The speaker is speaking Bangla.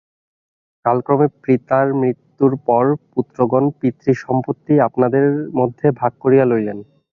কালক্রমে পিতার মৃত্যুর পর পুত্রগণ পিতৃ-সম্পত্তি আপনাদের মধ্যে ভাগ করিয়া লইলেন।